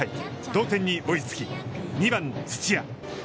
同点に追いつき、２番土屋。